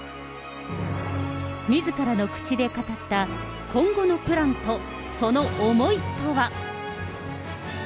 みずからの口で語った今後のプランとその思いとは。